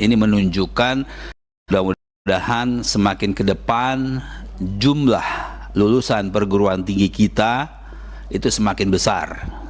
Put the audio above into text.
ini menunjukkan mudah mudahan semakin ke depan jumlah lulusan perguruan tinggi kita itu semakin besar